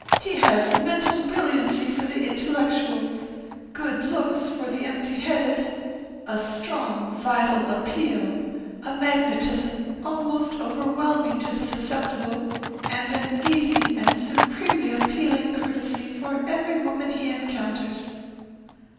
He has mental brilliancy for the intellectuals, good looks for the empty headed, a strong vital appeal, a magnetism almost overwhelming to the susceptible, and an easy and supremely appealing courtesy for every woman he encounters."